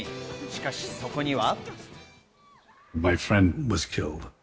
しかし、そこには・・。